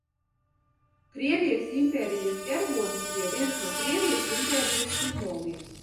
Krievijas Impērijas ģerbonis bija viens no Krievijas Impērijas simboliem.